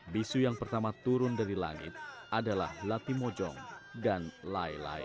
bisu yang pertama turun dari langit adalah latimojong dan lai lae